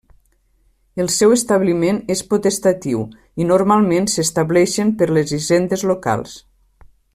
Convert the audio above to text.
El seu establiment és potestatiu i, normalment, s'estableixen per les Hisendes Locals.